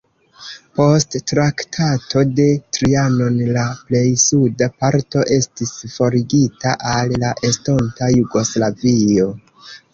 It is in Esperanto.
Post Traktato de Trianon la plej suda parto estis forigita al la estonta Jugoslavio.